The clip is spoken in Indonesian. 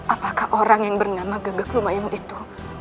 apakah orang yang bernama gagak lumaimu itu